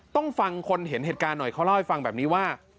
ต้องฟังคนเห็นเหตุการณ์หน่อยเขาเล่าให้ฟังแบบนี้ว่า